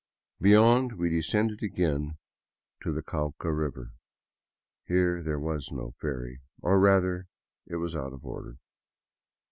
Beyond, we descended again to the Cauca river. Here there was no ferry, or rather, it was out of order.